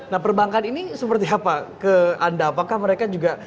nah perbankan ini seperti apa ke anda apakah mereka juga